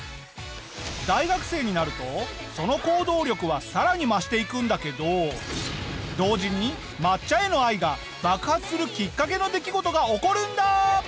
大学生になるとその行動力はさらに増していくんだけど同時に抹茶への愛が爆発するきっかけの出来事が起こるんだ！